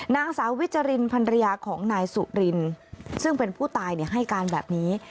นางสาววิจรินพันรยาของนายสุรินซึ่งเป็นผู้ตายให้การแบบนี้